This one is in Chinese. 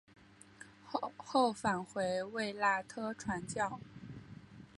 后返回卫拉特传教。